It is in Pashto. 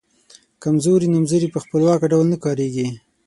کمزوري نومځري په خپلواکه ډول نه کاریږي.